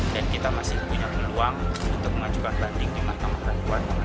dan kita masih punya peluang untuk mengajukan banding di mahkamah rayuan